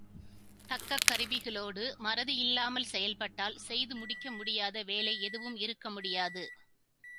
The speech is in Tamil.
தக்க கருவிகளோடு மறதி இல்லாமல் செயல்பட்டால் செய்து முடிக்க முடியாத வேலை எதுவும் இருக்க முடியாது.